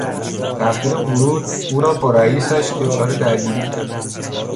تاخیر ورود، او را با رئیسش دچار درگیری کرد.